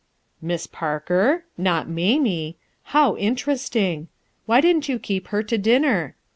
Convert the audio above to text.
IM Miss Parker?' Not Mamie? How inter esting! Why didn't you keep her to dinner?